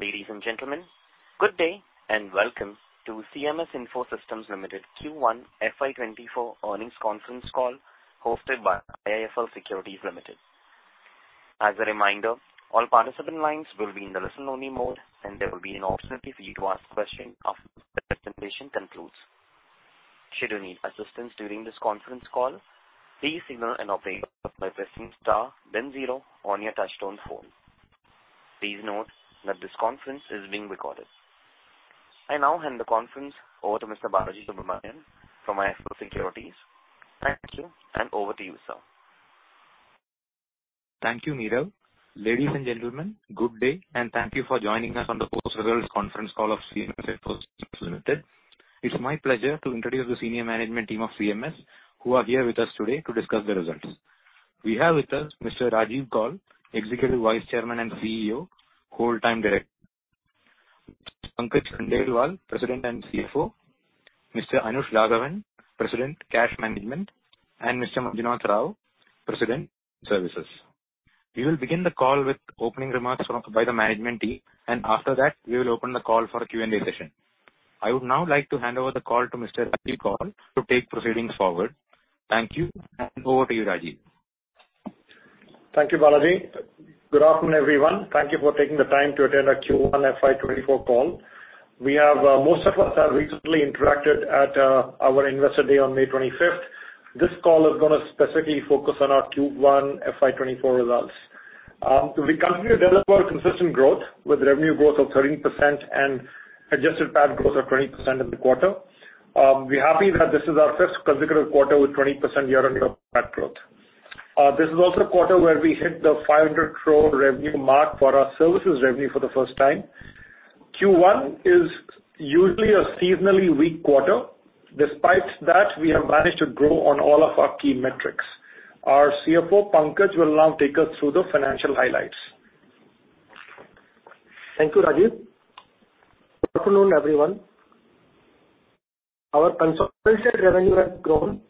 Ladies and gentlemen, good day, and welcome to CMS Info Systems Limited Q1 FY 2024 earnings conference call, hosted by IIFL Securities Limited. As a reminder, all participant lines will be in the listen-only mode, and there will be an opportunity for you to ask questions after the presentation concludes. Should you need assistance during this conference call, please signal an operator by pressing star then zero on your touchtone phone. Please note that this conference is being recorded. I now hand the conference over to Mr. Balaji Subramanian from IIFL Securities. Thank you, and over to you, sir. Thank you, Neerav. Ladies and gentlemen, good day, and thank you for joining us on the post-results conference call of CMS Info Systems Limited. It's my pleasure to introduce the senior management team of CMS, who are here with us today to discuss the results. We have with us Mr. Rajiv Kaul, Executive Vice Chairman and CEO, Whole-Time Director, Pankaj Khandelwal, President and CFO, Mr. Anush Raghavan, President, Cash Management, and Mr. Manjunath Rao, President, Services. We will begin the call with opening remarks by the management team. After that, we will open the call for a Q&A session. I would now like to hand over the call to Mr. Rajiv Kaul to take proceedings forward. Thank you. Over to you, Rajiv. Thank you, Balaji. Good afternoon, everyone. Thank you for taking the time to attend our Q1 FY 2024 call. Most of us have recently interacted at our Investor Day on May 25th. This call is going to specifically focus on our Q1 FY 2024 results. We continue to deliver consistent growth, with revenue growth of 13% and adjusted PAT growth of 20% in the quarter. We're happy that this is our fifth consecutive quarter with 20% year-on-year PAT growth. This is also a quarter where we hit the 500 crore revenue mark for our services revenue for the first time. Q1 is usually a seasonally weak quarter. Despite that, we have managed to grow on all of our key metrics. Our CFO, Pankaj, will now take us through the financial highlights. Thank you, Rajiv. Good afternoon, everyone. Our consolidated revenue has grown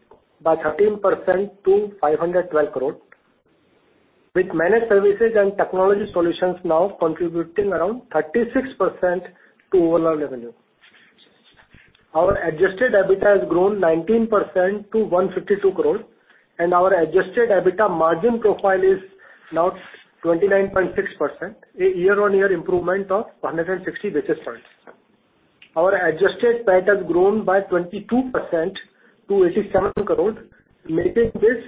by 13% to 512 crore, with managed services and technology solutions now contributing around 36% to overall revenue. Our adjusted EBITDA has grown 19% to 152 crore, and our adjusted EBITDA margin profile is now 29.6%, a year-on-year improvement of 160 basis points. Our adjusted PAT has grown by 22% to 87 crore, making this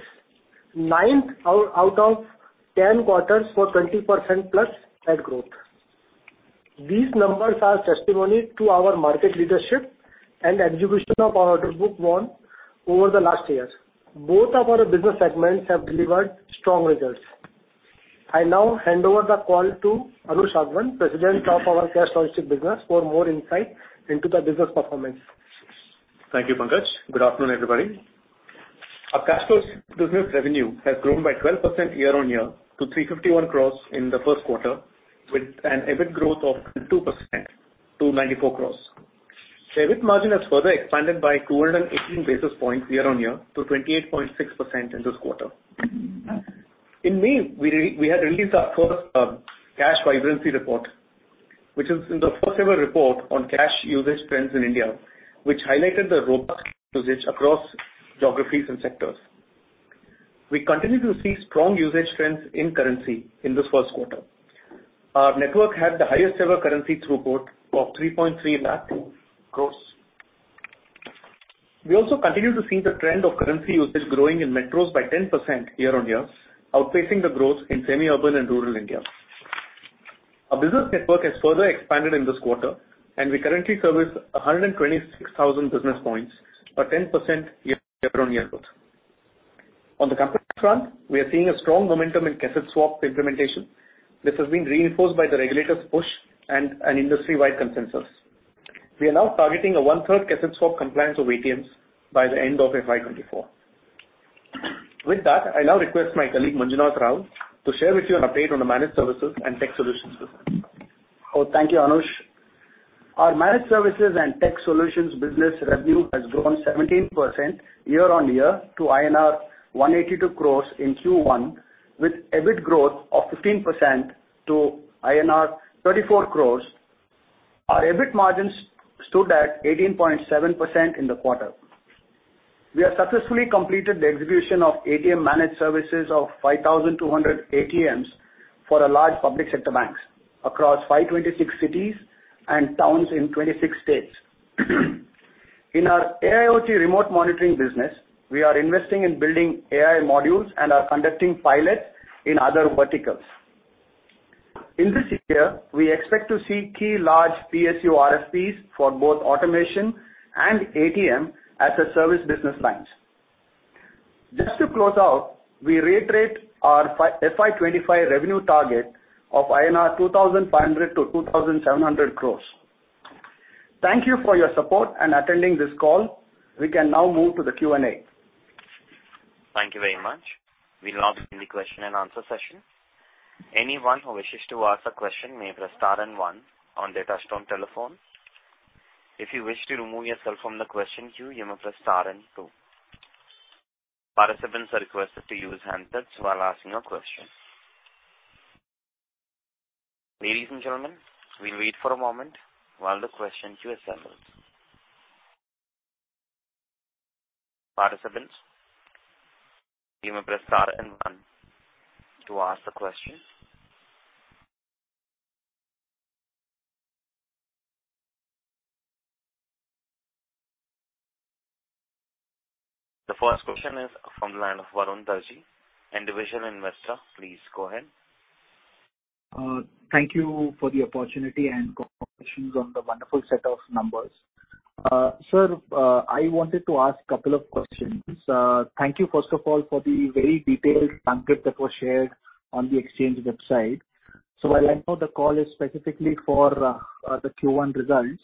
ninth out of 10 quarters for 20%-plus PAT growth. These numbers are testimony to our market leadership and execution of our order book won over the last years. Both of our business segments have delivered strong results. I now hand over the call to Anush Raghavan, President of our cash logistics business, for more insight into the business performance. Thank you, Pankaj. Good afternoon, everybody. Our cash business revenue has grown by 12% year-on-year to 351 crores in the Q1, with an EBIT growth of 2% to 94 crores. The EBIT margin has further expanded by 218 basis points year-on-year to 28.6% in this quarter. In May, we had released our first India Cash Vibrancy Report, which is the first-ever report on cash usage trends in India, which highlighted the robust usage across geographies and sectors. We continue to see strong usage trends in currency in this Q1. Our network had the highest-ever currency throughput of 3.3 lakh crores. We also continue to see the trend of currency usage growing in metros by 10% year-on-year, outpacing the growth in semi-urban and rural India. Our business network has further expanded in this quarter, and we currently service 126,000 business points, a 10% year-on-year growth. On the corporate front, we are seeing a strong momentum in cassette swap implementation. This has been reinforced by the regulators' push and an industry-wide consensus. We are now targeting a one-third cassette swap compliance of ATMs by the end of FY 2024. With that, I now request my colleague, Manjunath Rao, to share with you an update on the managed services and tech solutions business. Thank you, Anush. Our managed services and tech solutions business revenue has grown 17% year-on-year to INR 182 crores in Q1, with EBIT growth of 15% to INR 34 crores. Our EBIT margins stood at 18.7% in the quarter. We have successfully completed the execution of ATM managed services of 5,200 ATMs for a large public sector banks across 526 cities and towns in 26 states. In our AIoT remote monitoring business, we are investing in building AI modules and are conducting pilots in other verticals. In this year, we expect to see key large PSU RFPs for both automation and ATM as a service business lines. Just to close out, we reiterate our FY 2025 revenue target of 2,500 crores-2,700 crores INR. Thank you for your support and attending this call. We can now move to the Q&A. Thank you very much. We'll now begin the question-and-answer session. Anyone who wishes to ask a question may press star and one on their touchtone telephone. If you wish to remove yourself from the question queue, you may press star and two. Participants are requested to use handouts while asking a question. Ladies and gentlemen, we will wait for a moment while the questions were settled. Participants, you may press star and one to ask the question. The first question is from the line of Varun Darji, Individual Investor. Please go ahead. Thank you for the opportunity. Congratulations on the wonderful set of numbers. Sir, I wanted to ask a couple of questions. Thank you, first of all, for the very detailed transcript that was shared on the exchange website. While I know the call is specifically for the Q1 results,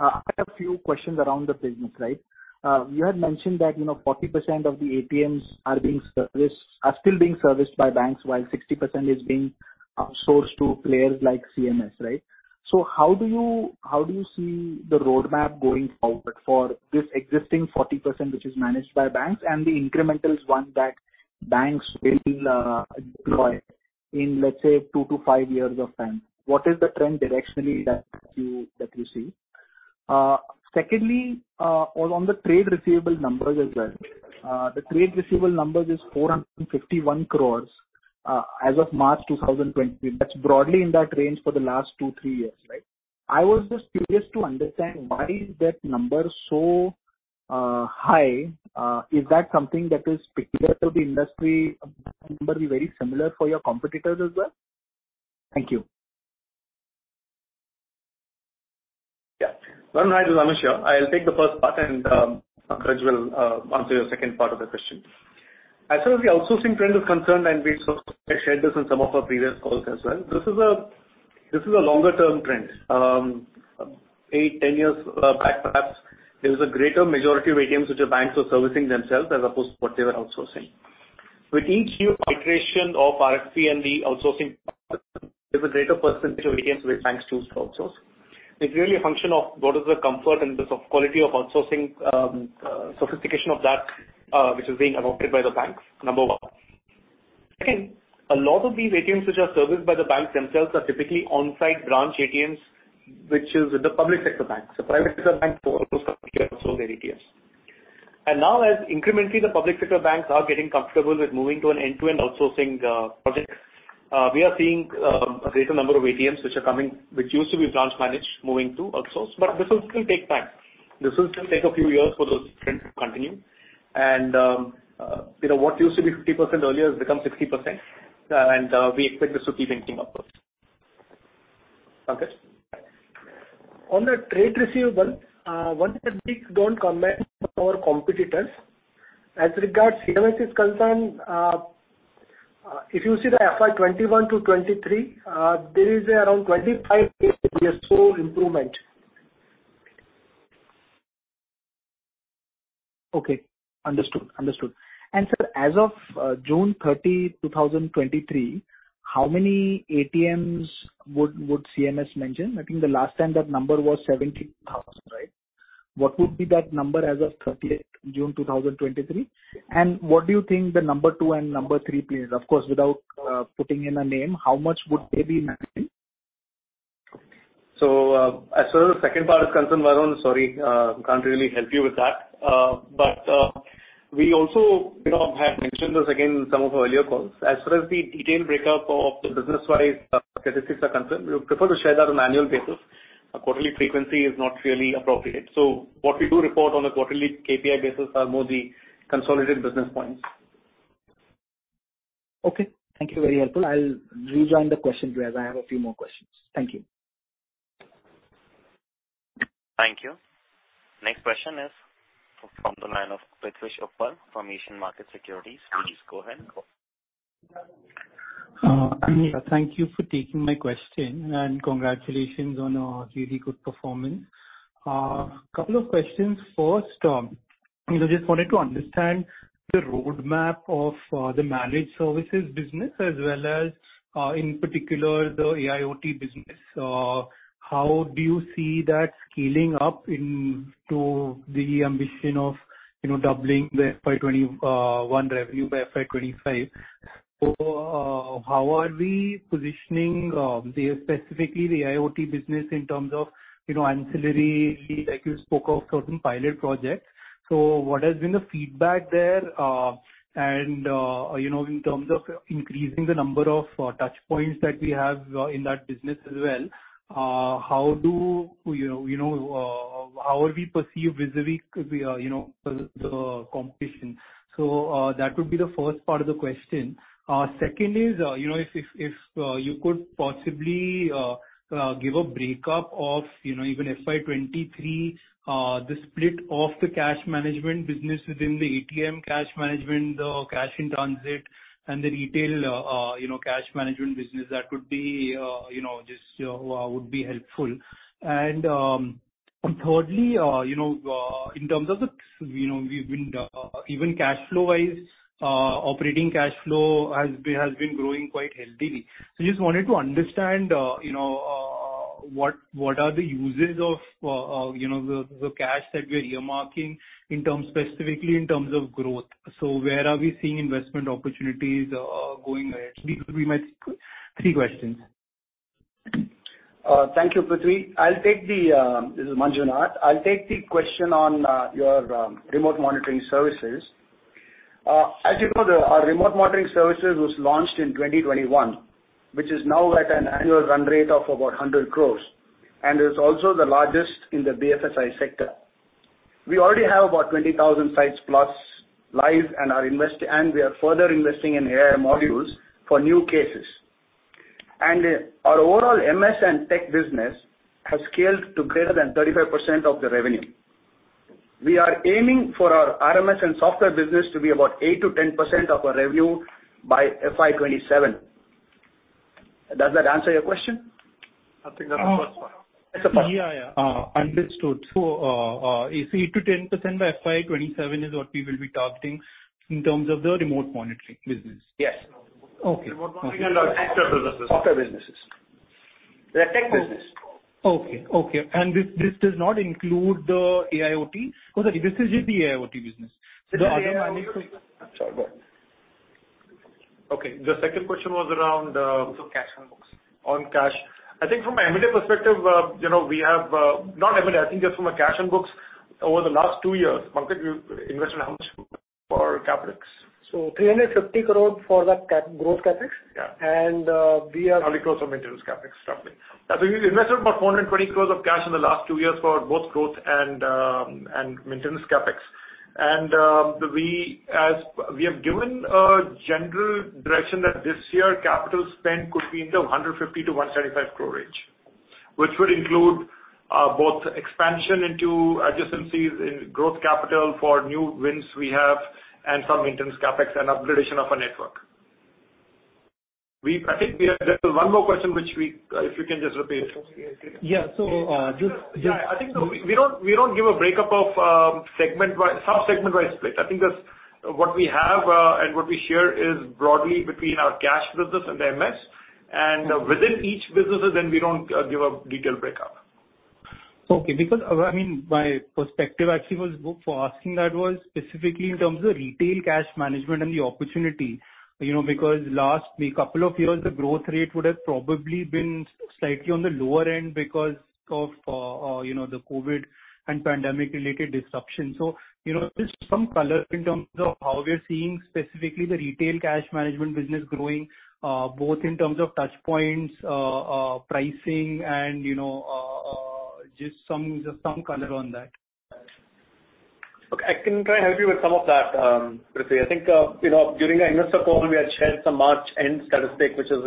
I have a few questions around the business, right? You had mentioned that, you know, 40% of the ATMs are being serviced, are still being serviced by banks, while 60% is being outsourced to players like CMS, right? How do you see the roadmap going forward for this existing 40%, which is managed by banks, and the incremental one that banks will deploy in, let's say, 2 to 5 years of time? What is the trend directionally that you see? Secondly, on the trade receivable numbers as well. The trade receivable numbers is 451 crores as of March 2020. That's broadly in that range for the last two, three years, right? I was just curious to understand why is that number so high. Is that something that is particular to the industry, or that number be very similar for your competitors as well? Thank you. Yeah. Varun, hi, this is Anush here. I'll take the first part, and Pankaj will answer your second part of the question. As far as the outsourcing trend is concerned, we've sort of shared this in some of our previous calls as well, this is a longer term trend. 8, 10 years back, perhaps, there was a greater majority of ATMs which the banks were servicing themselves as opposed to what they were outsourcing. With each new iteration of RFP and the outsourcing, there's a greater percentage of ATMs where banks choose to outsource. It's really a function of what is the comfort and the soft quality of outsourcing, sophistication of that, which is being adopted by the banks, number one. Second, a lot of these ATMs which are serviced by the banks themselves are typically on-site branch ATMs, which is the public sector banks. The private sector banks almost outsource their ATMs. Now, as incrementally, the public sector banks are getting comfortable with moving to an end-to-end outsourcing project, we are seeing a greater number of ATMs which are coming, which used to be branch managed, moving to outsource. This will still take time. This will still take a few years for those trends to continue. You know, what used to be 50% earlier has become 60%, and we expect this to keep increasing upwards. Pankaj? On the trade receivable, one, we don't comment on our competitors. As regards CMS is concerned, if you see the FY 2021-2023, there is around 25 year so improvement. Okay, understood. Understood. Sir, as of June 30, 2023, how many ATMs would CMS mention? I think the last time that number was 72,000, right? What would be that number as of June 30, 2023? What do you think the number two and number three players, of course, without putting in a name, how much would they be maximum? As far as the second part is concerned, Varun, sorry, can't really help you with that. We also, you know, had mentioned this again in some of our earlier calls. As far as the detailed breakup of the business-wise statistics are concerned, we would prefer to share that on annual basis. A quarterly frequency is not really appropriate. What we do report on a quarterly KPI basis are more the consolidated business points. Okay, thank you. Very helpful. I'll rejoin the question as I have a few more questions. Thank you. Thank you. Next question is from the line of Prithvish Uppal from Asian Markets Securities. Please go ahead. Thank you for taking my question, congratulations on a really good performance. Couple of questions. First, I just wanted to understand the roadmap of the managed services business, as well as, in particular, the AIoT business. How do you see that scaling up into the ambition of, you know, doubling the FY 2021 revenue by FY 2025? How are we positioning specifically the AIoT business in terms of, you know, ancillary, like you spoke of certain pilot projects. What has been the feedback there? In terms of increasing the number of touch points that we have in that business as well, how are we perceived vis-a-vis, you know, the competition? That would be the first part of the question. Second is, you know, if, if, you could possibly give a breakup of, you know, even FY 2023, the split of the cash management business within the ATM cash management, the cash in transit, and the retail, you know, cash management business, that would be, you know, just would be helpful. Thirdly, you know, what are the uses of, you know, the cash that we are earmarking, in terms, specifically in terms of growth? Where are we seeing investment opportunities, going ahead? Three questions. Thank you, Prithvish. This is Manjunath. I'll take the question on your remote monitoring services. As you know, our remote monitoring services was launched in 2021, which is now at an annual run rate of about 100 crores, and is also the largest in the BFSI sector. We already have about 20,000 sites plus live and we are further investing in AI modules for new cases. Our overall MS and tech business has scaled to greater than 35% of the revenue. We are aiming for our RMS and software business to be about 8%-10% of our revenue by FY 2027. Does that answer your question? I think that's the first one. Yeah, understood. 8%-10% by FY 2027 is what we will be targeting in terms of the remote monitoring business? Yes. Okay. Remote monitoring and our software businesses. Software businesses. The tech business. Okay, okay. This does not include the AIoT? Oh, sorry, this is the AIoT business. This is the AIoT. Sorry, go on. The second question was around. Cash on books. On cash. I think from an M&A perspective, you know, we have, not M&A, I think just from a cash on books over the last 2 years, Pankaj Khandelwal, we invested how much for CapEx? 350 crore for the growth CapEx. Yeah. And, uh, we are- INR 100 crore of maintenance CapEx. Roughly. As we invested about 420 crore of cash in the last two years for both growth and maintenance CapEx. We have given a general direction that this year, capital spend could be in the 150-175 crore range, which would include both expansion into adjacencies, in growth capital for new wins we have, and some maintenance CapEx and upgradation of our network. We, I think we have just one more question, which we, if you can just repeat. Yeah. I think so we don't give a breakup of segment-wise, sub-segment-wise split. I think that's what we have, and what we share is broadly between our cash business and the MS. Within each businesses, then we don't give a detailed breakup. I mean, my perspective actually was, for asking that was specifically in terms of retail cash management and the opportunity. You know, because last couple of years, the growth rate would have probably been slightly on the lower end because of, you know, the COVID and pandemic-related disruption. You know, just some color in terms of how we are seeing specifically the retail cash management business growing, both in terms of touch points, pricing and, you know, just some color on that. Okay, I can try to help you with some of that, Prithvi. I think, you know, during the investor call, we had shared some March end statistic, which is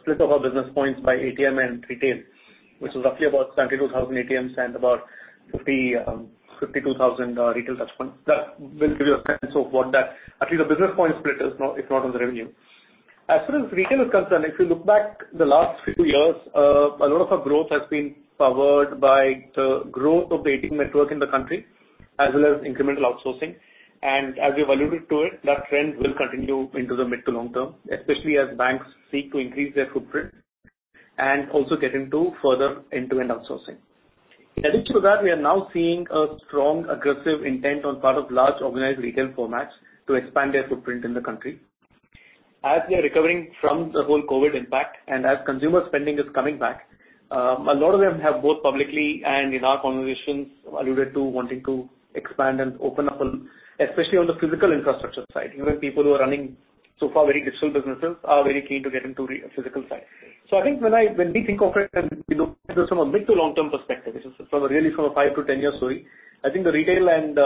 split of our business points by ATM and retail, which is roughly about 72,000 ATMs and about 52,000 retail touchpoints. That will give you a sense of what that, at least the business point split is, if not on the revenue. As far as retail is concerned, if you look back the last few years, a lot of our growth has been powered by the growth of the ATM network in the country, as well as incremental outsourcing. As we alluded to it, that trend will continue into the mid to long term, especially as banks seek to increase their footprint and also get into further end-to-end outsourcing. In addition to that, we are now seeing a strong aggressive intent on part of large organized retail formats to expand their footprint in the country. As we are recovering from the whole COVID impact and as consumer spending is coming back, a lot of them have both publicly and in our conversations, alluded to wanting to expand and open up, especially on the physical infrastructure side. Even people who are running so far, very digital businesses, are very keen to get into physical side. I think when we think of it, you know, from a mid to long-term perspective, this is from a really, from a 5 to 10-year story, I think the retail and,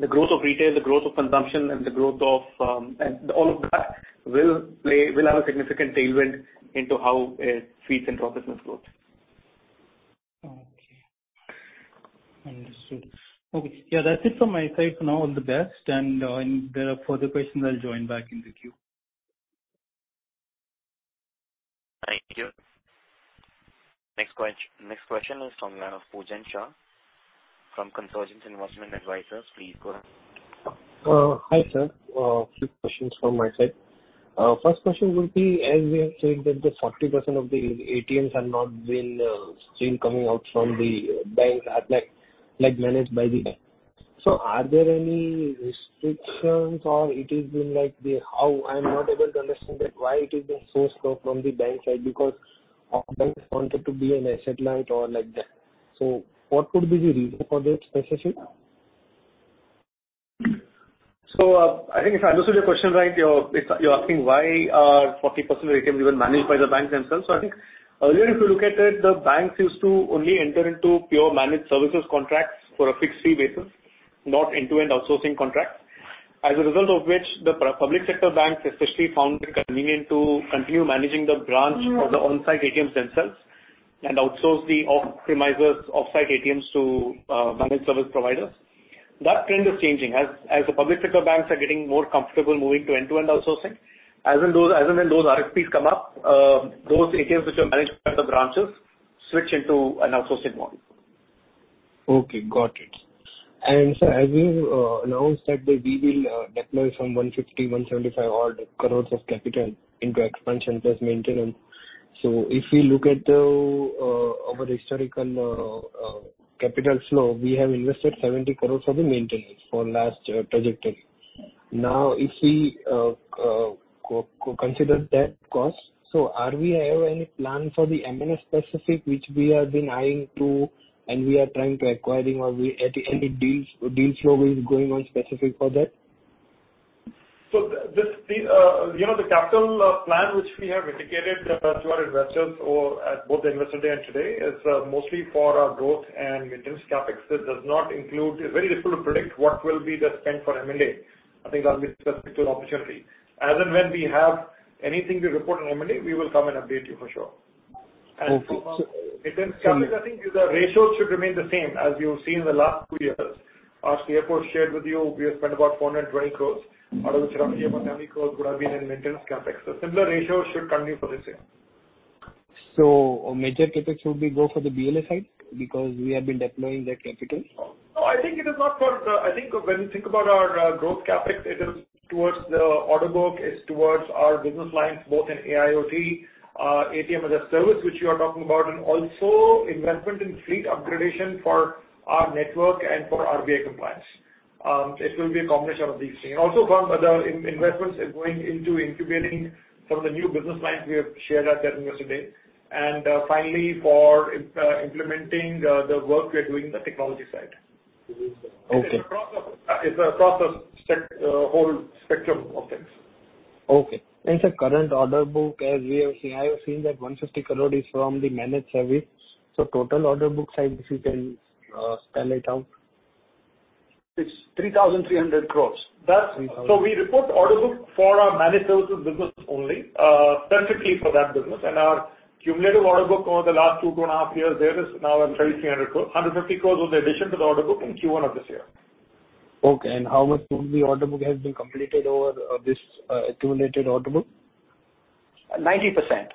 the growth of retail, the growth of consumption, and the growth of, and all of that will have a significant tailwind into how feeds into our business growth. Okay. Understood. Okay, yeah, that's it from my side for now. All the best. If there are further questions, I'll join back in the queue. Thank you. Next question is from Poojan Shah, from Consortium Investment Advisors. Please go ahead. Hi, sir. Few questions from my side. First question would be, as we are saying, that the 40% of the ATMs have not been still coming out from the bank, are like managed by the bank. Are there any restrictions or it is been like how I'm not able to understand that, why it is being so slow from the bank side? Because our banks wanted to be an asset light or like that. What could be the reason for that, specifically? I think if I understood your question right, you're asking why are 40% of ATMs even managed by the banks themselves? I think earlier, if you look at it, the banks used to only enter into pure managed services contracts for a fixed fee basis, not end-to-end outsourcing contracts. As a result of which, the public sector banks especially, found it convenient to continue managing the branch of the on-site ATMs themselves, and outsource the optimizers, off-site ATMs to managed service providers. That trend is changing. As the public sector banks are getting more comfortable moving to end-to-end outsourcing, as and when those RFPs come up, those ATMs which are managed by the branches switch into an outsourcing model. Okay, got it. Sir, as you announced that we will deploy some 150-175 odd crores of capital into expansion plus maintenance. If we look at the historical capital flow, we have invested 70 crores for the maintenance for last trajectory. If we consider that cost, are we have any plan for the M&A specific, which we have been eyeing to and we are trying to acquiring or any deals, deal flow is going on specific for that? This, the, you know, the capital plan, which we have indicated to our investors or at both the Investor Day and today, is mostly for our growth and maintenance CapEx. It's very difficult to predict what will be the spend for M&A. That will be specific to an opportunity. As and when we have anything to report on M&A, we will come and update you for sure. Okay. From a maintenance CapEx, I think the ratio should remain the same as you've seen in the last two years. As the CFO shared with you, we have spent about 420 crores, out of which around 300 crores would have been in maintenance CapEx. Similar ratio should continue for this year. Major CapEx will be more for the BLA side, because we have been deploying the capital? No, I think when you think about our growth CapEx, it is towards the order book, it's towards our business lines, both in AIOT, ATM as a service, which you are talking about, and also investment in fleet upgradation for our network and for RBI compliance. It will be a combination of these things. Also, the investments is going into incubating some of the new business lines we have shared at the investor day. Finally, for implementing the work we are doing in the technology side. Okay. It's across the spec, whole spectrum of things. Okay. The current order book, as we have seen, I have seen that 150 crore is from the managed service. Total order book size, if you can, spell it out. It's 3,300 crores. 3,000. We report order book for our managed services business only, specifically for that business. Our cumulative order book over the last two and a half years, there is now at 3,300 crores. 150 crores was addition to the order book in Q1 of this year. How much of the order book has been completed over this accumulated order book? 90%.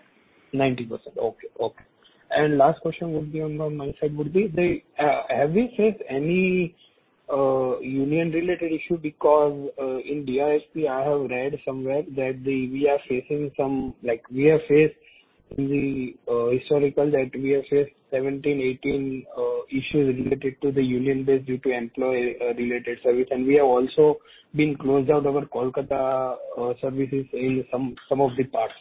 90%. Okay, okay. Last question would be on my side would be, have we faced any union-related issue? Because in DISP, I have read somewhere we are facing some, we have faced in the historical, we have faced 17, 18 issues related to the union base due to employee related service, and we have also been closed out our Kolkata services in some of the parts.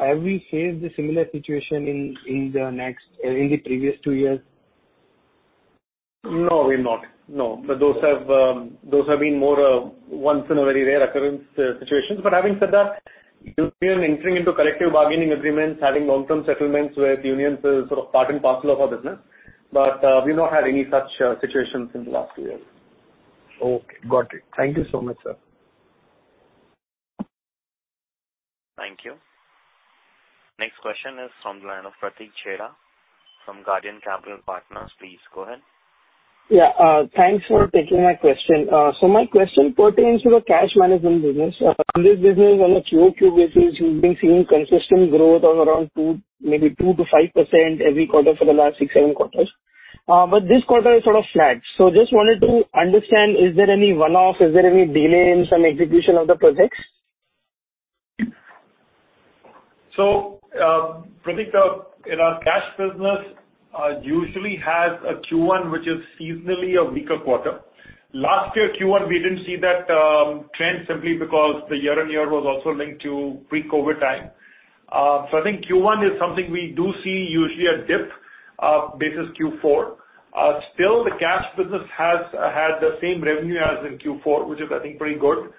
Have we faced a similar situation in the next, in the previous 2 years? No, we've not. No. Those have been more once in a very rare occurrence situations. Having said that, we've been entering into collective bargaining agreements, having long-term settlements with unions is sort of part and parcel of our business, we've not had any such situations in the last two years. Okay, got it. Thank you so much, sir. Thank you. Next question is from the line of Pratik Chheda from Guardian Capital Partners. Please go ahead. Thanks for taking my question. My question pertains to the cash management business. In this business, on a QOQ basis, we've been seeing consistent growth of around 2, maybe 2%-5% every quarter for the last six, seven quarters. This quarter is sort of flat. Just wanted to understand, is there any one-off? Is there any delay in some execution of the projects? Pratik, in our cash business, usually has a Q1, which is seasonally a weaker quarter. Last year, Q1, we didn't see that trend simply because the year-on-year was also linked to pre-COVID time. I think Q1 is something we do see usually a dip versus Q4. Still, the cash business has had the same revenue as in Q4, which is, I think, pretty good.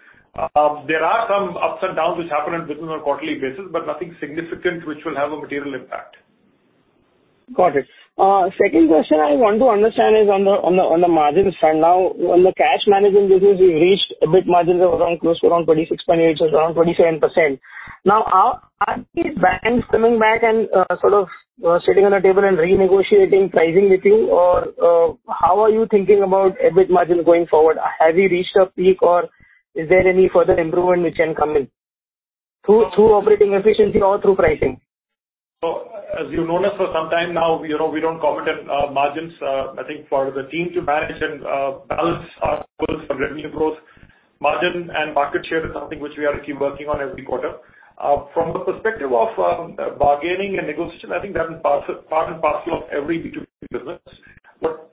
There are some ups and downs which happen in business on a quarterly basis, but nothing significant, which will have a material impact. Got it. Second question I want to understand is on the margins front. Now, on the cash management business, we've reached EBIT margins of around 26.8%, so around 27%. Now, are these banks coming back and sort of sitting on a table and renegotiating pricing with you? How are you thinking about EBIT margin going forward? Have you reached a peak, or is there any further improvement which can come in through operating efficiency or through pricing? As you've known us for some time now, you know, we don't comment on margins. I think for the team to manage and balance our goals for revenue growth, margin and market share is something which we are actually working on every quarter. From the perspective of bargaining and negotiation, I think that's part and parcel of every B2B business.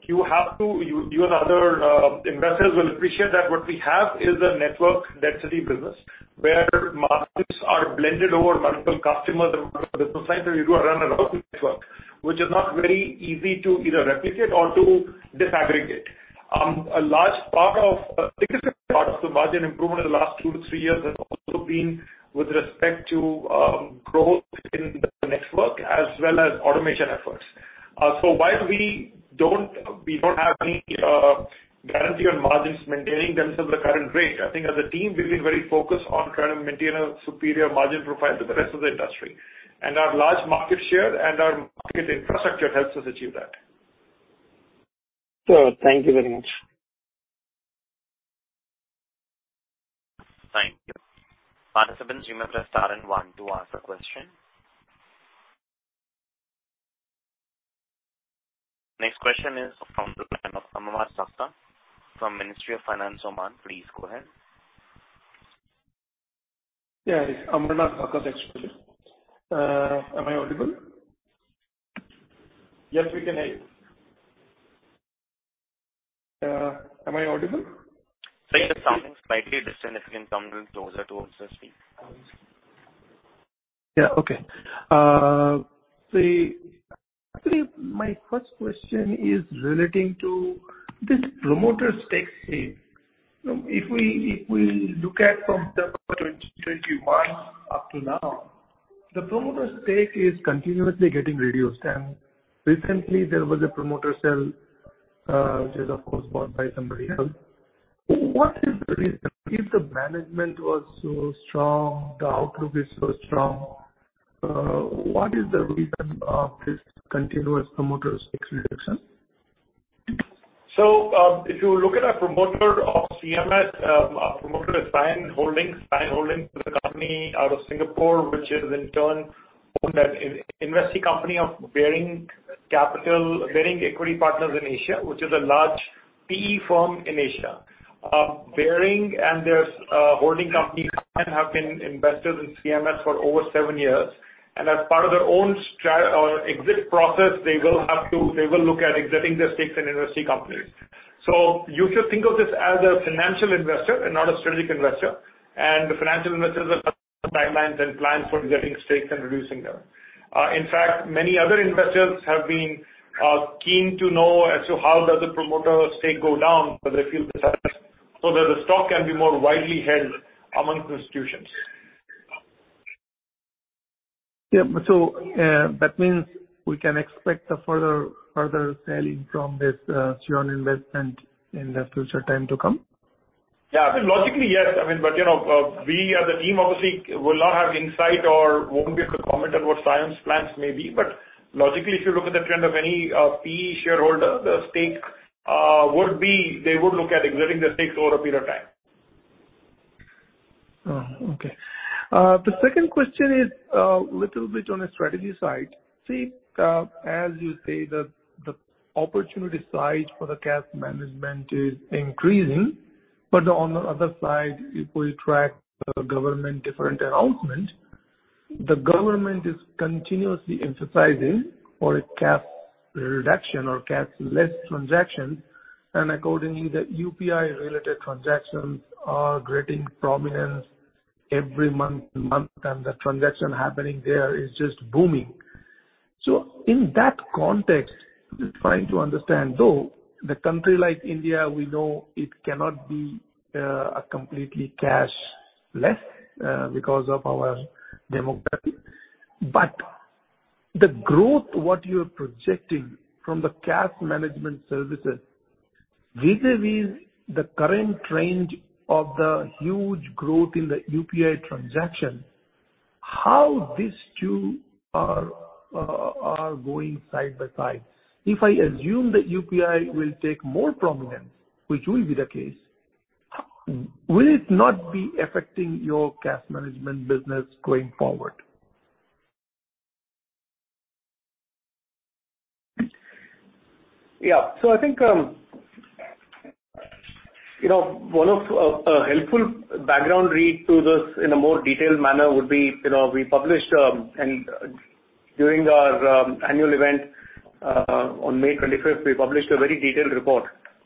You and other investors will appreciate that what we have is a network density business, where margins are blended over multiple customers and business lines, and you do a roundabout network, which is not very easy to either replicate or to disaggregate. A large part of, a significant part of the margin improvement in the last 2-3 years has also been with respect to growth in the network as well as automation efforts. While we don't have any guarantee on margins maintaining themselves at the current rate, I think as a team, we've been very focused on trying to maintain a superior margin profile to the rest of the industry. Our large market share and our market infrastructure helps us achieve that. Sure. Thank you very much. want to ask a question? Next question is from the line of Amarnath Bhagat, from Ministry of Finance, Oman. Please go ahead. Yeah, it's Amarnath Bhagat actually. Am I audible? Yes, we can hear you. am I audible? Sorry, the sound is slightly distant. If you can come little closer towards the speak. Yeah, okay. See, actually, my first question is relating to this promoter stake sale. If we look at from the 2021 up to now, the promoter stake is continuously getting reduced, and recently there was a promoter sale, which is of course, bought by somebody else. What is the reason, if the management was so strong, the outlook is so strong, what is the reason of this continuous promoter stakes reduction? If you look at our promoter of CMS, our promoter is Sion Investment Holdings. Sion Investment Holdings is a company out of Singapore, which is in turn owned an investee company of Baring Private Equity Asia, which is a large PE firm in Asia. Baring and their holding company have been investors in CMS for over seven years, and as part of their own exit process, they will look at exiting their stakes in investee companies. You should think of this as a financial investor and not a strategic investor, and the financial investors have timelines and plans for exiting stakes and reducing them. In fact, many other investors have been keen to know as to how does the promoter stake go down, but they feel the so that the stock can be more widely held among institutions. Yeah. That means we can expect a further selling from this Sion Investment Holdings in the future time to come? I mean, logically, yes. I mean, you know, we as a team, obviously will not have insight or won't be able to comment on what Sion's plans may be. Logically, if you look at the trend of any PE shareholder, the stake, they would look at exiting the stake over a period of time. Oh, okay. The second question is a little bit on a strategy side. See, as you say, the opportunity side for the cash management is increasing, but on the other side, if we track the government different announcement, the government is continuously emphasizing on a cash reduction or cashless transaction, and accordingly, the UPI-related transactions are getting prominence every month to month, and the transaction happening there is just booming. In that context, just trying to understand, though, the country like India, we know it cannot be a completely cashless because of our democracy. The growth, what you're projecting from the cash management services vis-à-vis the current trend of the huge growth in the UPI transaction, how these two are going side by side? If I assume the UPI will take more prominence, which will be the case, will it not be affecting your cash management business going forward? I think, you know, one of a helpful background read to this in a more detailed manner would be, you know, during our annual event on May 25th, we published a very detailed report,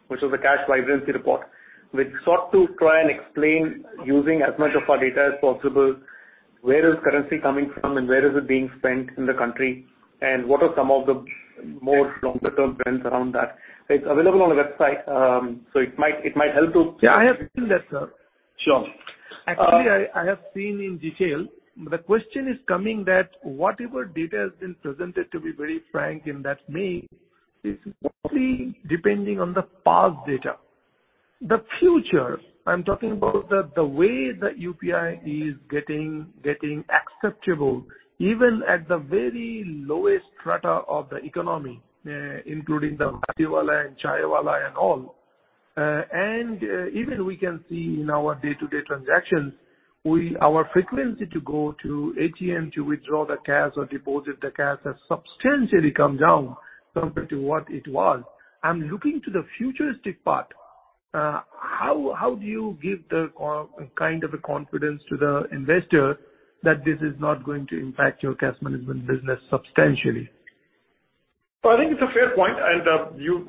which was a Cash Vibrancy Report, which sought to try and explain, using as much of our data as possible, where is currency coming from and where is it being spent in the country, and what are some of the more longer-term trends around that. It's available on the website. It might help to- Yeah, I have seen that, sir. Sure. I have seen in detail. The question is coming that whatever data has been presented, to be very frank, in that May, is mostly depending on the past data. The future, I'm talking about the way the UPI is getting acceptable, even at the very lowest strata of the economy, including the bhajiwala and chaiwala and all. Even we can see in our day-to-day transactions, our frequency to go to ATM to withdraw the cash or deposit the cash has substantially come down compared to what it was. I'm looking to the futuristic part. How do you give the kind of a confidence to the investor that this is not going to impact your cash management business substantially? I think it's a fair point, and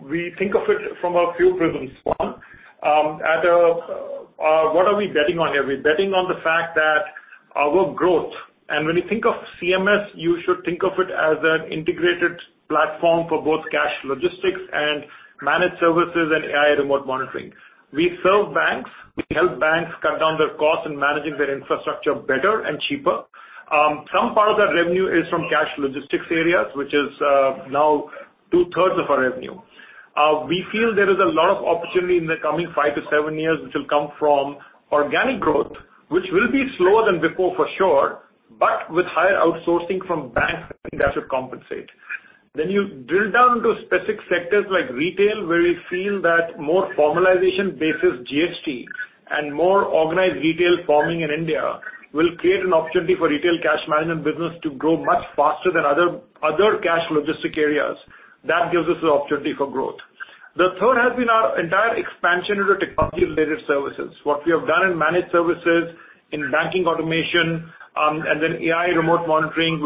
we think of it from a few prisms. One, what are we betting on here? We're betting on the fact that our growth. When you think of CMS, you should think of it as an integrated platform for both cash logistics and managed services and AI remote monitoring. We serve banks. We help banks cut down their costs in managing their infrastructure better and cheaper. Some part of that revenue is from cash logistics areas, which is now two-thirds of our revenue. We feel there is a lot of opportunity in the coming five to seven years, which will come from organic growth, which will be slower than before for sure, but with higher outsourcing from banks, I think that should compensate. When you drill down into specific sectors like retail, where we feel that more formalization basis GST and more organized retail forming in India, will create an opportunity for retail cash management business to grow much faster than other cash logistic areas. That gives us the opportunity for growth. The third has been our entire expansion into technology-related services. What we have done in managed services, in banking automation, and then AI remote monitoring,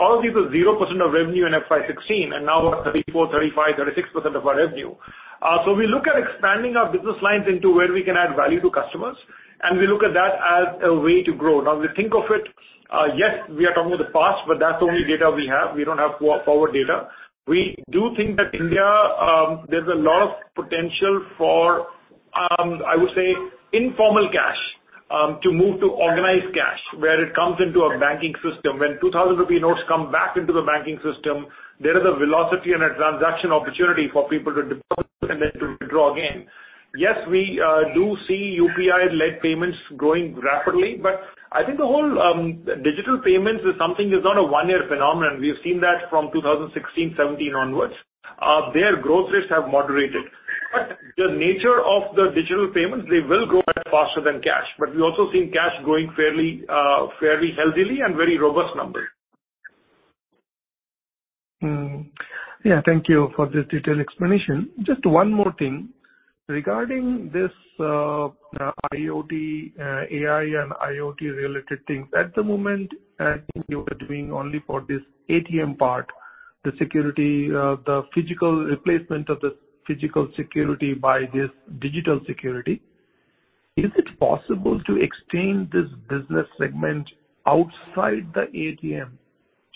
all of these were 0% of revenue in FY16, and now 34%, 35%, 36% of our revenue. We look at expanding our business lines into where we can add value to customers, and we look at that as a way to grow. We think of it, yes, we are talking about the past, but that's the only data we have. We don't have forward data. We do think that India, there's a lot of potential for, I would say, informal cash, to move to organized cash, where it comes into a banking system. When 2,000 rupee notes come back into the banking system, there is a velocity and a transaction opportunity for people to deposit and then to withdraw again. Yes, we do see UPI-led payments growing rapidly, but I think the whole digital payments is something that's not a one-year phenomenon. We have seen that from 2016, 2017 onwards. Their growth rates have moderated. The nature of the digital payments, they will grow faster than cash, but we've also seen cash growing fairly healthily and very robust number. Yeah, thank you for this detailed explanation. Just one more thing. Regarding this, IoT, AI and IoT-related things. At the moment, I think you are doing only for this ATM part, the security, the physical replacement of the physical security by this digital security. Is it possible to extend this business segment outside the ATM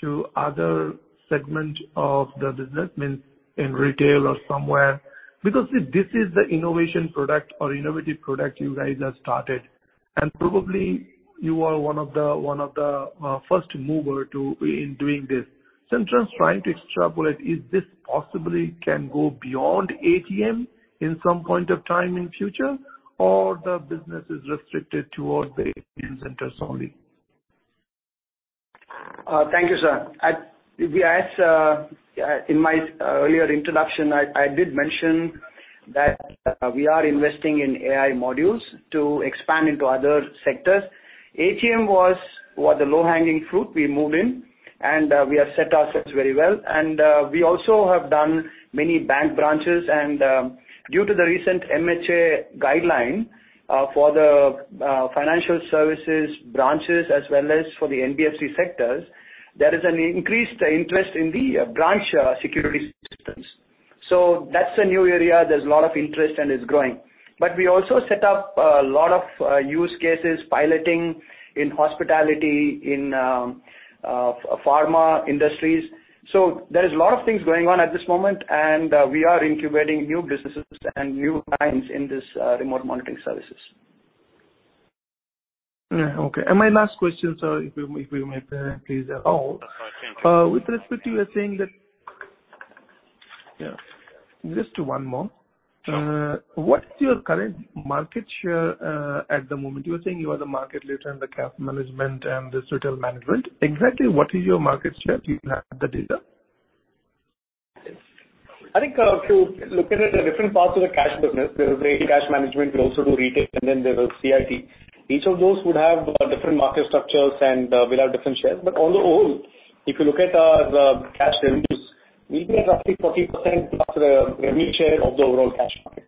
to other segment of the business, means in retail or somewhere? Because if this is the innovation product or innovative product you guys have started, and probably you are one of the first mover to, in doing this. I'm just trying to extrapolate, is this possibly can go beyond ATM in some point of time in future, or the business is restricted towards the ATM centers only? Thank you, sir. At, we as in my earlier introduction, I did mention that we are investing in AI modules to expand into other sectors. ATM was the low-hanging fruit. We moved in, and we have set ourselves very well. We also have done many bank branches, and due to the recent MHA guideline, for the financial services branches as well as for the NBFC sectors, there is an increased interest in the branch security systems. That's a new area, there's a lot of interest, and it's growing. We also set up a lot of use cases, piloting in hospitality, in pharma industries. There is a lot of things going on at this moment, and we are incubating new businesses and new clients in this remote monitoring services. Yeah, okay. My last question, sir, if we may please at all. With respect to you are saying that. Yeah, just one more. Sure. What's your current market share at the moment? You were saying you are the market leader in the cash management and this retail management. Exactly what is your market share? Do you have the data? I think, to look at it, the different parts of the cash business, there is the cash management, we also do retail, and then there is CIT. Each of those would have different market structures and will have different shares. On the whole, if you look at our, the cash revenues, we get roughly 40% plus the revenue share of the overall cash market.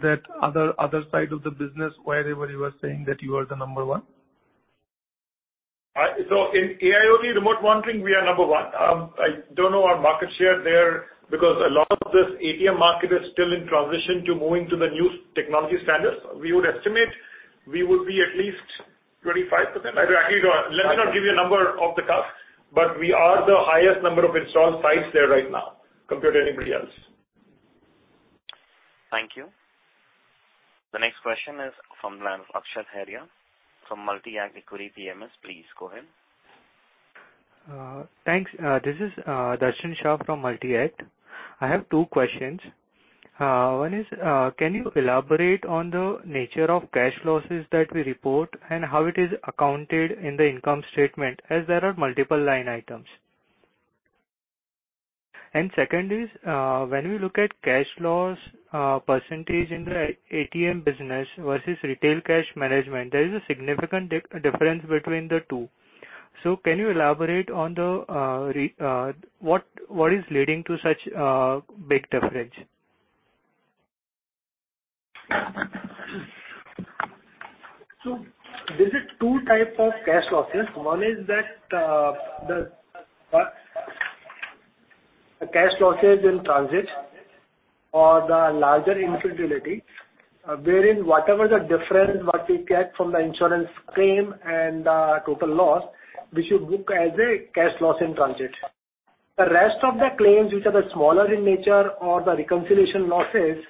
That other side of the business, wherever you were saying that you are the number one? In AIoT remote monitoring, we are number one. I don't know our market share there because a lot of this ATM market is still in transition to moving to the new technology standards. We would estimate we would be at least 25%. Let me not give you a number off the cuff, but we are the highest number of installed sites there right now, compared to anybody else. Thank you. The next question is from Akshat Haria, from Multi-Act Equity PMS. Please go ahead. Thanks. This is Darshan Shah from Multi-Act. I have two questions. One is, can you elaborate on the nature of cash losses that we report and how it is accounted in the income statement, as there are multiple line items? Second is, when we look at cash loss percentage in the ATM business versus retail cash management, there is a significant difference between the two. Can you elaborate on the what is leading to such big difference? There is 2 type of cash losses. One is that the cash losses in transit or the larger infidelity, wherein whatever the difference, what we get from the insurance claim and the total loss, we should book as a cash loss in transit. The rest of the claims, which are the smaller in nature or the reconciliation losses,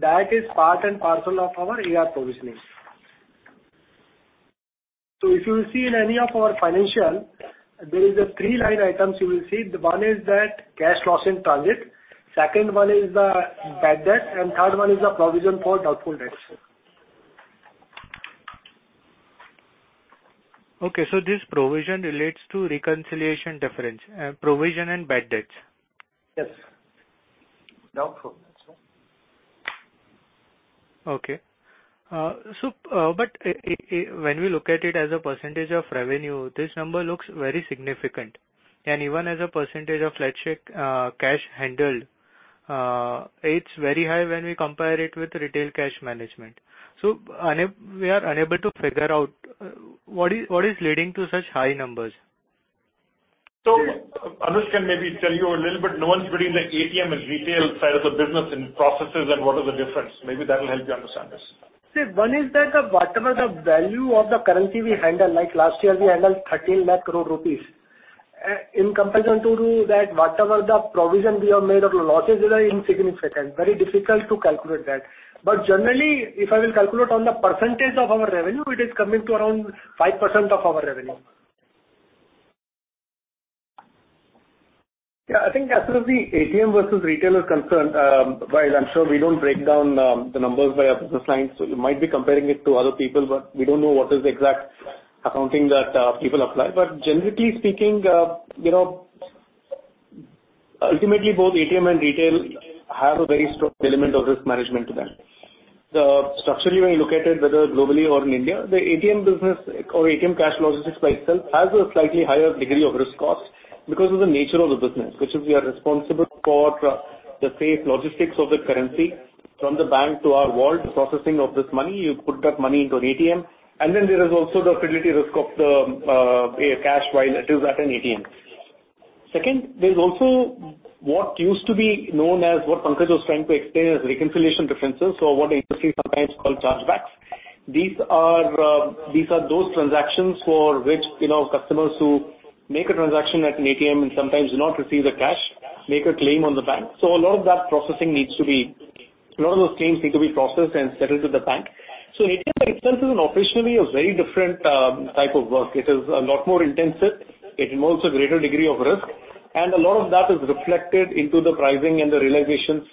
that is part and parcel of our AR provisioning. If you see in any of our financial, there is a 3 line items you will see. The one is that cash loss in transit, second one is the bad debt, and third one is the provision for doubtful debts. Okay, this provision relates to reconciliation difference, provision and bad debts? Yes. No problems. When we look at it as a % of revenue, this number looks very significant, and even as a % of, let's check, cash handled, it's very high when we compare it with retail cash management. We are unable to figure out what is leading to such high numbers? Anush can maybe tell you a little bit, no one's between the ATM and retail side of the business and processes and what is the difference. Maybe that will help you understand this. See, one is that whatever the value of the currency we handle, like last year, we handled 13 lakh crore rupees. In comparison to that, whatever the provision we have made or losses are insignificant, very difficult to calculate that. Generally, if I will calculate on the percentage of our revenue, it is coming to around 5% of our revenue. I think as soon as the ATM versus retail is concerned, while I'm sure we don't break down the numbers by our business lines, so you might be comparing it to other people, but we don't know what is the exact accounting that people apply. Generally speaking, you know, ultimately, both ATM and retail have a very strong element of risk management to them. The structurally, when you look at it, whether globally or in India, the ATM business or ATM cash logistics by itself has a slightly higher degree of risk cost because of the nature of the business, which is we are responsible for the safe logistics of the currency from the bank to our vault, processing of this money, you put that money into an ATM, and then there is also the fidelity risk of the cash while it is at an ATM. There's also what used to be known as what Pankaj was trying to explain as reconciliation differences, so what the industry sometimes call chargebacks. These are those transactions for which, you know, customers who make a transaction at an ATM and sometimes do not receive the cash, make a claim on the bank. A lot of that processing needs to be... A lot of those claims need to be processed and settled with the bank. ATM by itself is officially a very different type of work. It is a lot more intensive, it involves a greater degree of risk, and a lot of that is reflected into the pricing and the realizations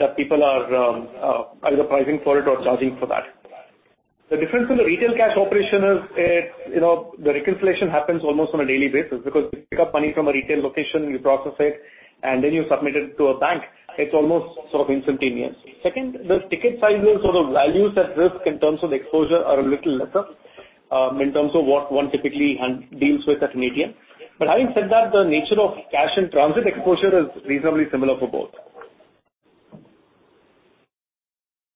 that people are either pricing for it or charging for that. The difference in the retail cash operation is it, you know, the reconciliation happens almost on a daily basis because you pick up money from a retail location, you process it, and then you submit it to a bank. It's almost sort of instantaneous. Second, the ticket sizes or the values at risk in terms of the exposure are a little lesser in terms of what one typically handles, deals with at an ATM. Having said that, the nature of cash and transit exposure is reasonably similar for both.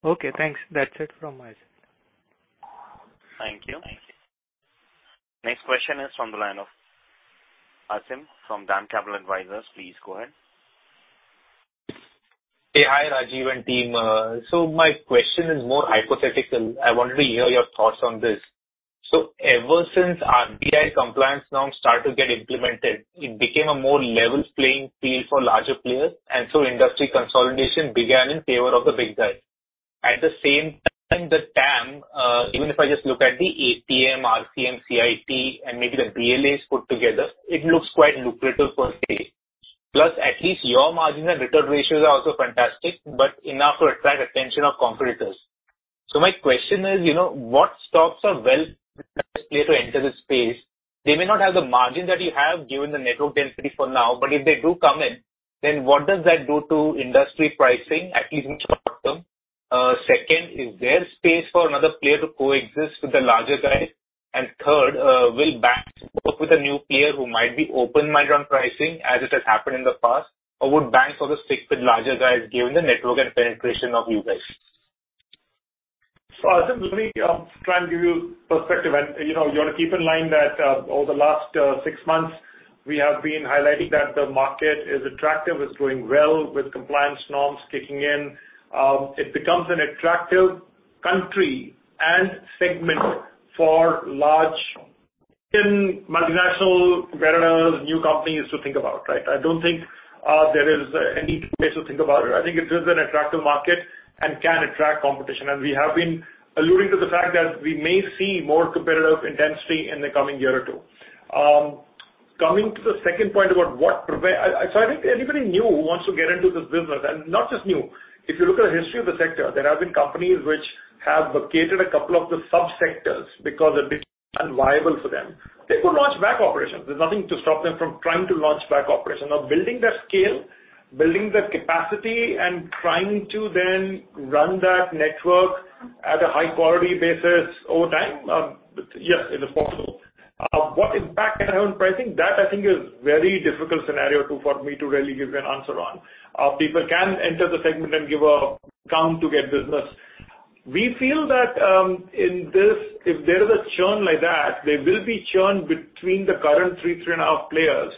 Okay, thanks. That's it from my side. Thank you. Next question is from the line of Asim, from Bain Capital Advisors. Please go ahead. Hey, hi, Rajiv and team. My question is more hypothetical. I wanted to hear your thoughts on this. Ever since RBI compliance norms start to get implemented, it became a more level playing field for larger players, industry consolidation began in favor of the big guys. At the same time, the TAM, even if I just look at the ATM, RCM, CIT, and maybe the BLAs put together, it looks quite lucrative for scale. At least your margins and return ratios are also fantastic, enough to attract attention of competitors. My question is, you know, what stocks are well player to enter the space? They may not have the margin that you have, given the network density for now, if they do come in, what does that do to industry pricing, at least in short term? Second, is there space for another player to coexist with the larger guys? Third, will banks work with a new player who might be open-minded on pricing, as it has happened in the past? Would banks rather stick with larger guys, given the network and penetration of you guys? Asim, let me try and give you perspective. You know, you want to keep in mind that over the last six months, we have been highlighting that the market is attractive, it's doing well with compliance norms kicking in. It becomes an attractive country and segment for large in multinational veterans, new companies to think about, right? I don't think there is any place to think about it. I think it is an attractive market and can attract competition, and we have been alluding to the fact that we may see more competitive intensity in the coming year or two. Coming to the second point about what provide... I think anybody new who wants to get into this business, and not just new, if you look at the history of the sector, there have been companies which have vacated a couple of the subsectors because it became unviable for them. They could launch back operations. There's nothing to stop them from trying to launch back operation. Now, building that scale, building that capacity, and trying to then run that network at a high-quality basis over time, yes, it is possible. What impact can have on pricing? That I think is very difficult scenario to, for me to really give you an answer on. People can enter the segment and give a count to get business. We feel that, in this, if there is a churn like that, there will be churn between the current three and a half players.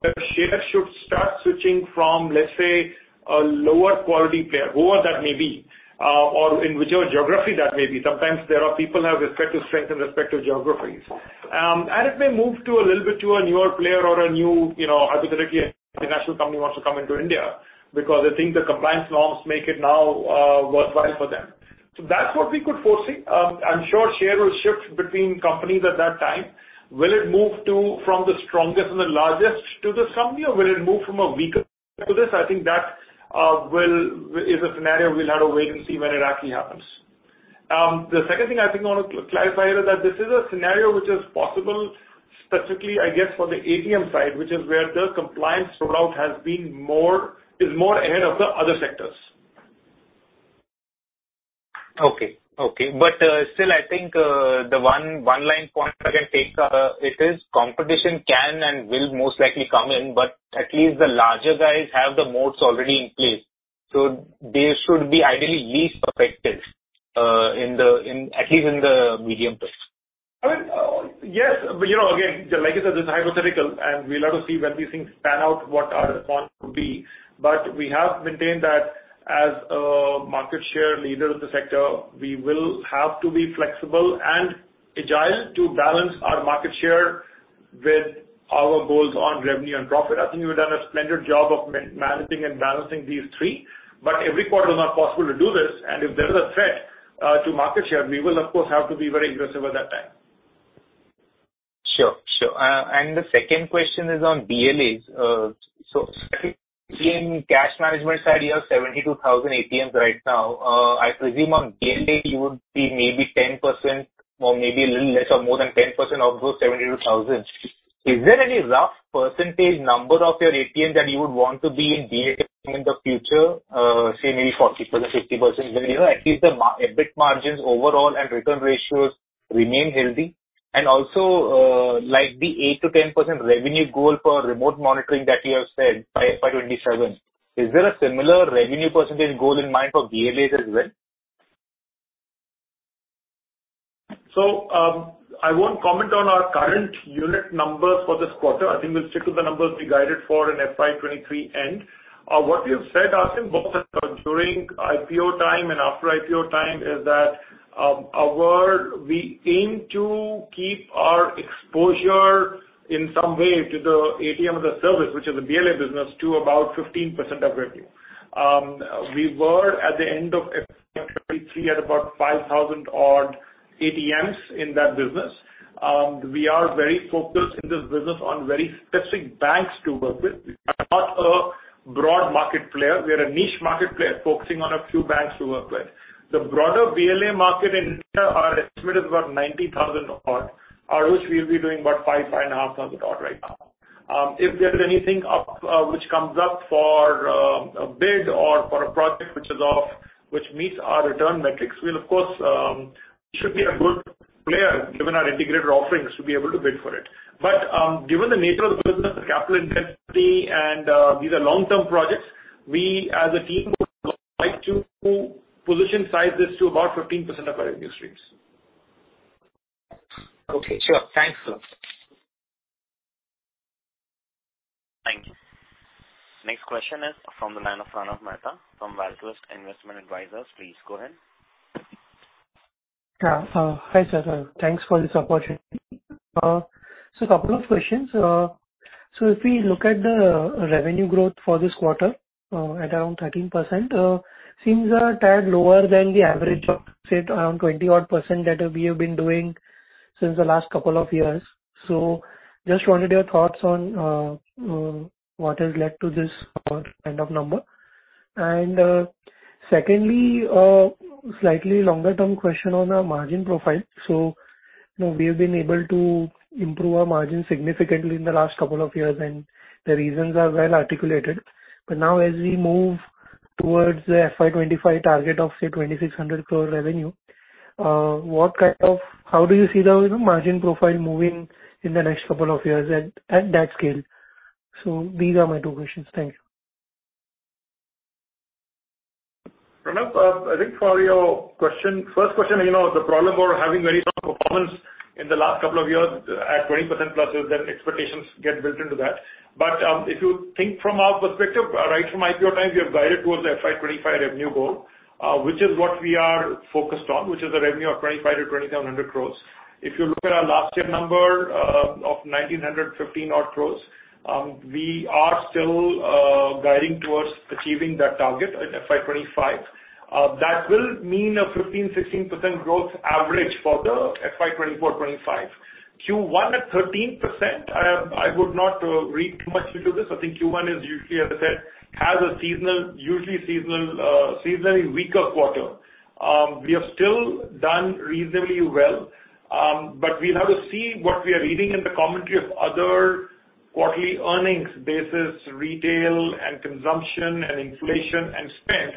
Where shares should start switching from, let's say, a lower quality player, whoever that may be, or in whichever geography that may be. Sometimes there are people have respective strength in respective geographies. It may move to a little bit to a newer player or a new, you know, hypothetically, international company wants to come into India because they think the compliance norms make it now worthwhile for them. That's what we could foresee. I'm sure share will shift between companies at that time. Will it move to, from the strongest and the largest to this company, or will it move from a weaker to this? I think that-... will, is a scenario we'll have to wait and see when it actually happens. The second thing I think I want to clarify here is that this is a scenario which is possible, specifically, I guess, for the ATM side, which is where the compliance rollout has been more ahead of the other sectors. Okay, okay. Still, I think, the one line point I can take, it is competition can and will most likely come in, but at least the larger guys have the moats already in place, so they should be ideally least affected, in at least in the medium term. I mean, yes, but you know, again, like I said, this is hypothetical, and we'll have to see when these things pan out, what our response will be. We have maintained that as a market share leader in the sector, we will have to be flexible and agile to balance our market share with our goals on revenue and profit. I think we've done a splendid job of managing and balancing these three. Every quarter is not possible to do this, and if there is a threat to market share, we will, of course, have to be very aggressive at that time. Sure. Sure. The second question is on BLAs. So in cash management side, you have 72,000 ATMs right now. I presume on BLA you would be maybe 10% or maybe a little less or more than 10% of those 72,000. Is there any rough percentage number of your ATMs that you would want to be in BLA in the future? Say, maybe 40%, 50%, where, you know, at least the EBIT margins overall and return ratios remain healthy. Also, like the 8%-10% revenue goal for remote monitoring that you have said by 2027, is there a similar revenue percentage goal in mind for BLAs as well? I won't comment on our current unit numbers for this quarter. I think we'll stick to the numbers we guided for in FY 2023 end. What we have said, Asim, both during IPO time and after IPO time, is that we aim to keep our exposure in some way to the ATM as a service, which is a BLA business, to about 15% of revenue. We were at the end of FY 2023 at about 5,000 odd ATMs in that business. We are very focused in this business on very specific banks to work with. We are not a broad market player. We are a niche market player, focusing on a few banks to work with. The broader BLA market in India, our estimate is about 90,000 odd, out of which we will be doing about 5,000-5,500 odd right now. If there is anything up which comes up for a bid or for a project which is of, which meets our return metrics, we'll of course should be a good player, given our integrated offerings, to be able to bid for it. Given the nature of the business, the capital intensity, and these are long-term projects, we as a team would like to position sizes to about 15% of our revenue streams. Okay, sure. Thanks a lot. Thank you. Next question is from the line of Pranav Mehta from ValueQuest Investment Advisors. Please go ahead. Hi, sir. Thanks for this opportunity. A couple of questions. If we look at the revenue growth for this quarter, at around 13%, seems a tad lower than the average of, say, around 20% odd that we have been doing since the last couple of years. Just wanted your thoughts on what has led to this kind of number. Secondly, slightly longer-term question on our margin profile. You know, we have been able to improve our margin significantly in the last couple of years, and the reasons are well articulated. Now as we move towards the FY 2025 target of, say, 2,600 crore revenue, how do you see the margin profile moving in the next couple of years at that scale? These are my two questions. Thank you. Pranav, I think for your question, first question, you know, the problem about having very strong performance in the last couple of years at 20%+ is that expectations get built into that. If you think from our perspective, right from IPO time, we have guided towards the FY 2025 revenue goal, which is what we are focused on, which is a revenue of 2,500-2,700 crores. If you look at our last year number, of 1,915 odd crores, we are still guiding towards achieving that target at FY 2025. That will mean a 15%-16% growth average for the FY 2024-FY 2025. Q1 at 13%, I would not read too much into this. I think Q1 is usually, as I said, has a seasonal, usually seasonal, seasonally weaker quarter. We have still done reasonably well, we will have to see what we are reading in the commentary of other quarterly earnings basis, retail and consumption and inflation and spend.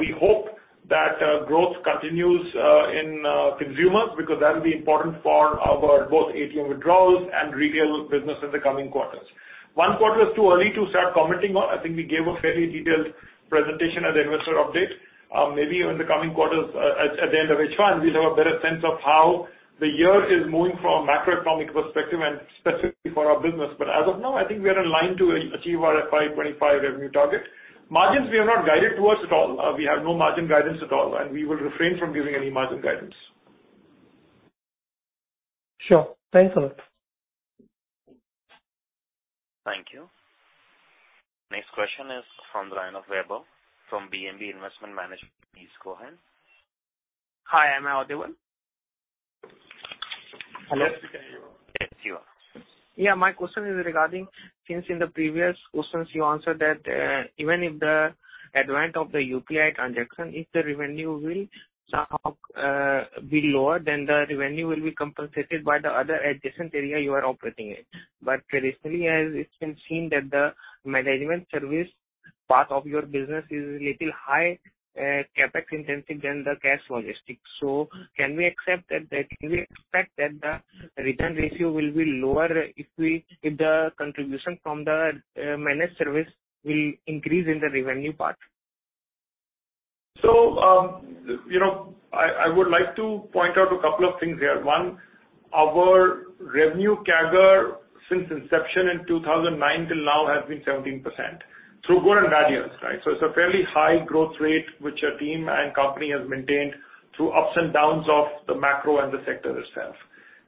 We hope that growth continues in consumers, because that will be important for our both ATM withdrawals and retail business in the coming quarters. One quarter is too early to start commenting on. I think we gave a fairly detailed presentation at the investor update. Maybe in the coming quarters, at the end of each one, we will have a better sense of how the year is moving from a macroeconomic perspective and specifically for our business. As of now, I think we are in line to achieve our FY 2025 revenue target. Margins, we have not guided towards at all. We have no margin guidance at all. We will refrain from giving any margin guidance. Sure. Thanks a lot. Thank you. Next question is from the line of Vaibhav, from BNP Paribas Asset Management. Please go ahead. Hi, I'm Alduin. Hello? Thank you. My question is regarding, since in the previous questions you answered that, even if the advent of the UPI transaction, if the revenue will somehow be lower, then the revenue will be compensated by the other adjacent area you are operating in. Traditionally, as it's been seen, that the management service part of your business is a little high, CapEx intensive than the cash logistics. Can we expect that the return ratio will be lower, if we, if the contribution from the managed service will increase in the revenue part? You know, I would like to point out a couple of things here. One, our revenue CAGR since inception in 2009 till now has been 17%, through good and bad years, right? It's a fairly high growth rate, which our team and company has maintained through ups and downs of the macro and the sector itself.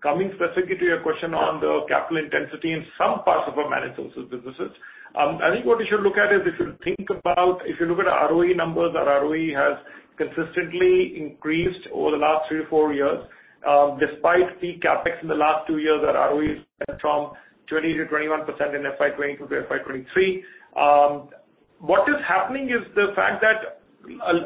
Coming specifically to your question on the capital intensity in some parts of our managed services businesses, I think what you should look at is, if you look at our ROE numbers, our ROE has consistently increased over the last 3 to 4 years, despite the CapEx in the last 2 years, our ROE is from 20%-21% in FY 2022 to FY 2023. What is happening is the fact that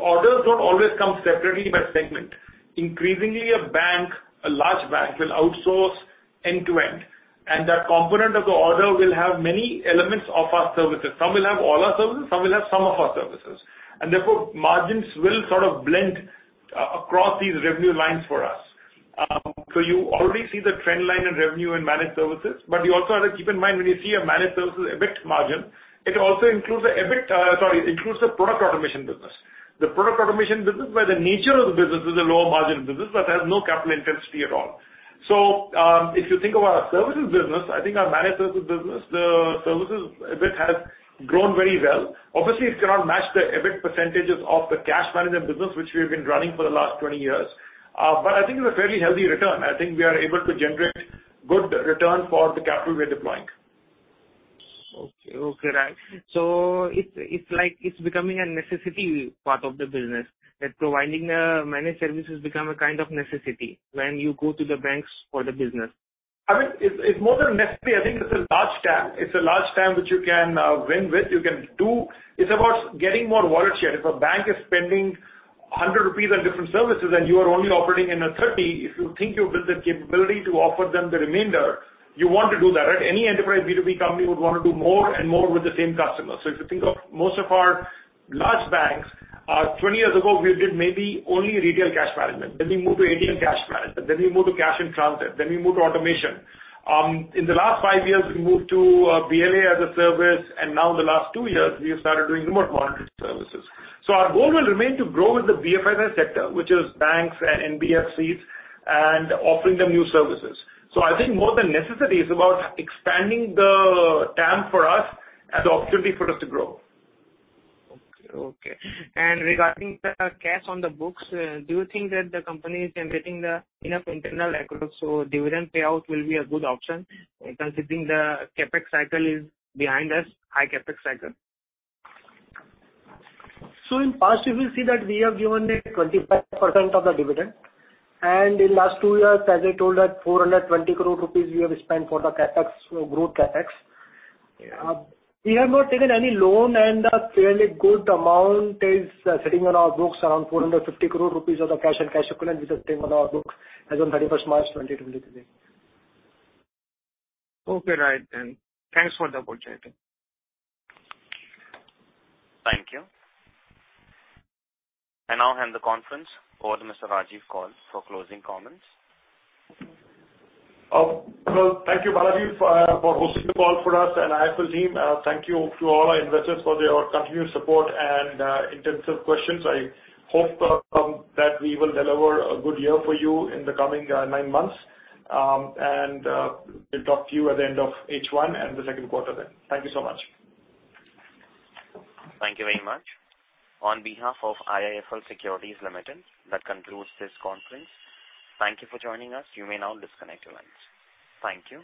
orders don't always come separately by segment. Increasingly, a bank, a large bank, will outsource end-to-end, and that component of the order will have many elements of our services. Some will have all our services, some will have some of our services, and therefore, margins will sort of blend across these revenue lines for us. You already see the trend line in revenue and managed services, but you also have to keep in mind, when you see a managed services EBIT margin, it also includes the EBIT, sorry, includes the product automation business. The product automation business, by the nature of the business, is a lower margin business, but has no capital intensity at all. If you think about our services business, I think our managed services business, the services EBIT has grown very well. It cannot match the EBIT % of the cash management business, which we've been running for the last 20 years, but I think it's a fairly healthy return. I think we are able to generate good return for the capital we are deploying. Okay, okay, right. It's like, it's becoming a necessity part of the business, that providing managed services become a kind of necessity when you go to the banks for the business. I mean, it's more than necessary. I think it's a large TAM. It's a large TAM, which you can win with, you can do. It's about getting more wallet share. If a bank is spending 100 rupees on different services and you are only operating in a 30, if you think you build the capability to offer them the remainder, you want to do that, right? Any enterprise B2B company would want to do more and more with the same customer. If you think of most of our large banks, 20 years ago, we did maybe only retail cash management, then we moved to Indian cash management, then we moved to cash and transit, then we moved to automation. In the last 5 years, we moved to BLA as a service, and now in the last 2 years, we have started doing remote monitoring services. Our goal will remain to grow with the BFSI sector, which is banks and NBFCs, and offering them new services. I think more than necessary, it's about expanding the TAM for us and the opportunity for us to grow. Okay. Regarding the cash on the books, do you think that the company is generating the enough internal accrual, so dividend payout will be a good option, considering the CapEx cycle is behind us, high CapEx cycle? In past, you will see that we have given a 25% of the dividend. In last two years, as I told that 420 crore rupees, we have spent for the CapEx, so growth CapEx. We have not taken any loan. A fairly good amount is sitting on our books, around 450 crore rupees of the cash and cash equivalent, which is sitting on our books as on March 31, 2023. Okay, right. Thanks for the opportunity. Thank you. I now hand the conference over to Mr. Rajiv Kaul for closing comments. Well, thank you, Balaji, for hosting the call for us. I thank you to all our investors for your continued support and intensive questions. I hope that we will deliver a good year for you in the coming nine months. We'll talk to you at the end of H1 and the Q2 then. Thank you so much. Thank you very much. On behalf of IIFL Securities Limited, that concludes this conference. Thank you for joining us. You may now disconnect your lines. Thank you.